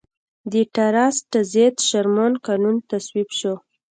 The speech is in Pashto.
د ټراست ضد شرمن قانون تصویب شو.